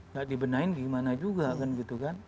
nggak dibenahin gimana juga kan gitu kan